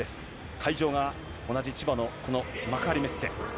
会場が同じ千葉の幕張メッセ。